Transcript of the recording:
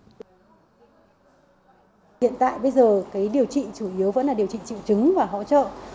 hiện tại bây giờ điều trị chủ yếu vẫn là điều trị trị trứng và hỗ trợ